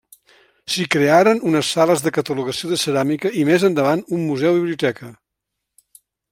S'hi crearen unes sales de catalogació de ceràmica i més endavant un museu-biblioteca.